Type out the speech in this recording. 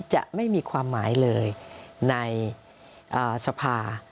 จะไม่มีความหมายเลยในสภา